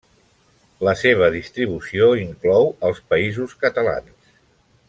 La seva distribució inclou els Països Catalans.